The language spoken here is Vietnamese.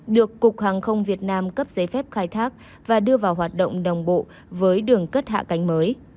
được cục hàng không việt nam cấp giấy phép khai thác và đưa vào hoạt động đồng bộ với đường cất hạ cánh mới